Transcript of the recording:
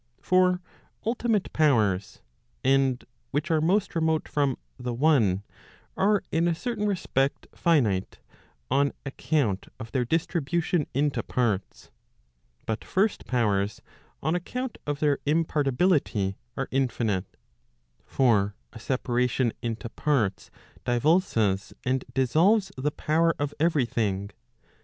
For ultimate powers, and which are most remote from the one , are in a certain respect finite, on account of their distribution into parts. But first powers, on account of their im partibility, are infinite. For a separation into parts divulses and dissolves the power of every thing.